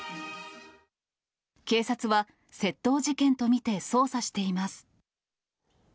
警察は、窃盗事件と見て捜査しています。